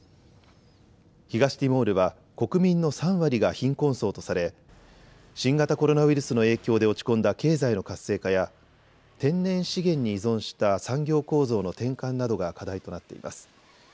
東ティモールは国民の３割が貧困層とされ新型コロナウイルスの影響で落ち込んだ経済の活性化や天然資源に依存した産業構造の転換などが課題となっています。